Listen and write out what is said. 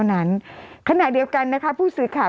กรมป้องกันแล้วก็บรรเทาสาธารณภัยนะคะ